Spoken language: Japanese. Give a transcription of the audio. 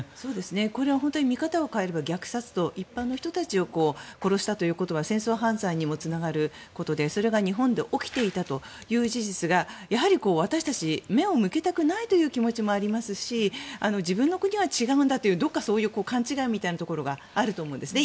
これは本当に見方を変えれば虐殺一般の人を殺したとなれば戦争犯罪にもつながることでそれが日本で起きていたという事実がやはり私たちは目を向けたくないという気持ちもありますし自分の国は違うんだという勘違いみたいなところもあると思うんですね。